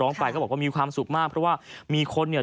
ไปก็บอกว่ามีความสุขมากเพราะว่ามีคนเนี่ย